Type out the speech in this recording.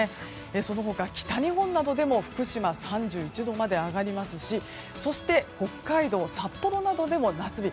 その他、北日本などでも福島３１度まで上がりますしそして北海道札幌などでも夏日。